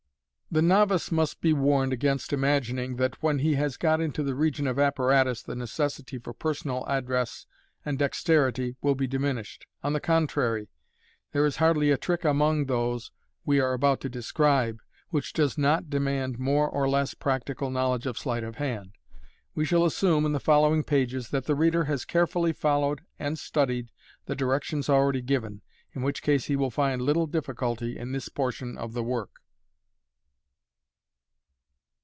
The novice must be warned against imagining that, when he has got into the region of apparatus, the necessity for personal address and dexterity will be diminished. On the contrary, there is hardly a trick among those we are about to describe which does not demand more or less practical knowledge of sleight of hand. We shall assume, in the following pages, that the reader has carefully followed and studied the directions already given, in which case he will find little difficulty in this portion of the work.